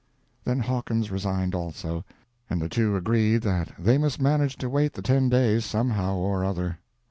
Then Hawkins resigned also, and the two agreed that they must manage to wait the ten days some how or other.